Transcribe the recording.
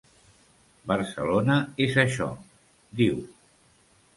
Barcelona és això, diu.